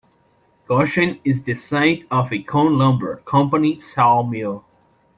Goshen is the site of a Cone Lumber Company sawmill.